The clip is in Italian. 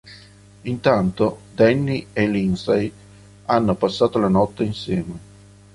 Intanto Danny e Lindsay hanno passato la notte insieme.